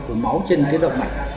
của máu trên cái động mạch